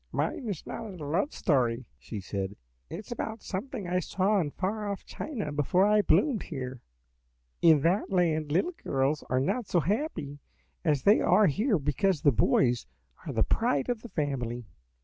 "Mine is not a love story," she said; "it is about something I saw in far off China before I bloomed here. "In that land little girls are not so happy as they are here because the boys are the pride of the family.